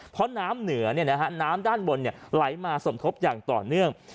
เพราะน้ำเหนือน้ำด้านบนไหลมาสมทบอย่างต่อเนื่อง